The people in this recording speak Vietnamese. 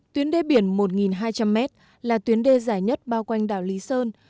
tuyến đê biển một hai trăm linh m là tuyến đê dài nhất bao quanh đảo lý sơn